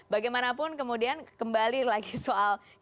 bagaimanapun kemudian kembali lagi soal karena ini